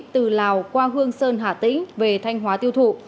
từ lào qua hương sơn hà tĩnh về thanh hóa tiêu thụ